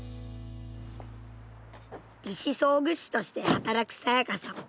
義肢装具士として働く彩夏さん。